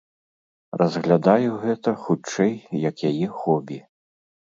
Разглядаю гэта, хутчэй, як яе хобі.